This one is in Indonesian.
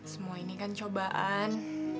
semua ini kan cobaan